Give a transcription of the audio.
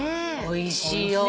おいしいよ。